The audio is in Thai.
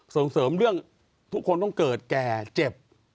ส่งเสริมเรื่องทุกคนต้องเกิดแก่เจ็บ